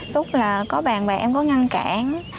lúc là có bạn bè em có ngăn cản